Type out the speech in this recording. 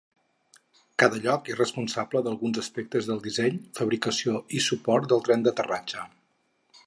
Cada lloc és responsable d'alguns aspectes del disseny, fabricació i suport del tren d'aterratge.